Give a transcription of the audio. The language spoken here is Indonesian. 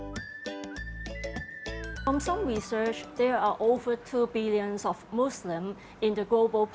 dari beberapa penelitian ada lebih dari dua juta muslim di populasi global